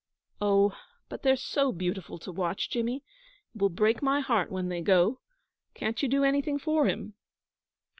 'Oh, but they're so beautiful to watch, Jimmy. It will break my heart when they go. Can't you do anything for him?'